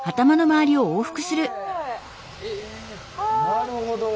なるほど。